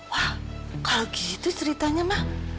wah kalau gitu ceritanya mah